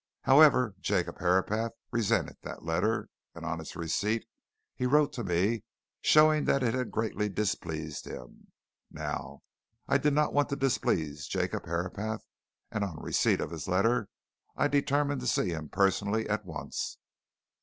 However, Jacob Herapath resented that letter, and on its receipt he wrote to me showing that it had greatly displeased him. Now, I did not want to displease Jacob Herapath, and on receipt of his letter, I determined to see him personally at once.